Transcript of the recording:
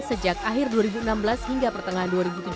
sejak akhir dua ribu enam belas hingga pertengahan dua ribu tujuh belas